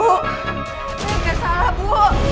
lo bikin salah bu